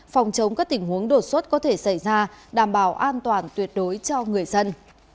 phòng chống các tình huống đột xuất có thể xảy ra đảm bảo an toàn tuyệt đối cho người dân